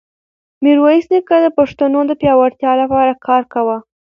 میرویس نیکه د پښتنو د پیاوړتیا لپاره کار کاوه.